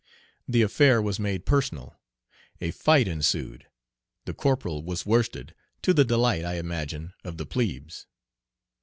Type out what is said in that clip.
The affair was made personal. A fight ensued. The corporal was worsted, to the delight, I imagine, of the plebes.